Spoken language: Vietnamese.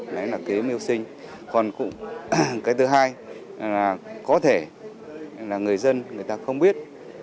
đấy là kế mưu sinh còn cụ cái thứ hai là có thể là người dân người ta không biết